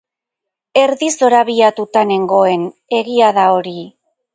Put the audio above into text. Erdi zorabiatuta nengoen... egia da hori...